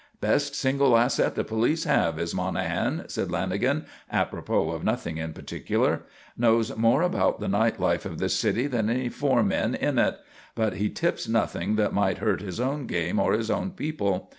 "Best single asset the police have is Monahan," said Lanagan, apropos of nothing in particular. "Knows more about the night life of this city than any four men in it. But he tips nothing that might hurt his own game or his own people.